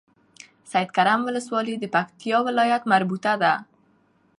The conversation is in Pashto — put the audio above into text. سيدکرم ولسوالۍ د پکتيا ولايت مربوطه ده